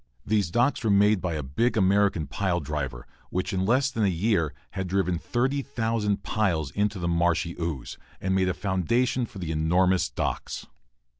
These docks were made by a big American pile driver, which in less than a year had driven 30,000 piles into the marshy ooze, and made a foundation for enormous docks.